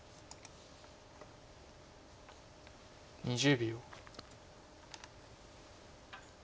２０秒。